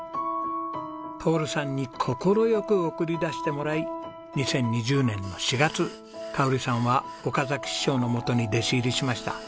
徹さんに快く送り出してもらい２０２０年の４月香さんは岡崎師匠のもとに弟子入りしました。